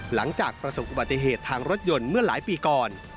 หลังจากประสบอุบัติเหตุทางรถยนต์เมื่อหลายปีก่อน